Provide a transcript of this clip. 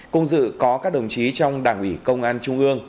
cùng dự có các đồng chí trong đảng ủy công an trung ương